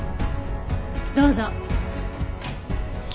どうぞ。